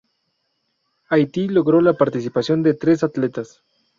Haití logró la participación de tres atletas.